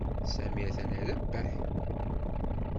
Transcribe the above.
Sami atan irebbeḥ.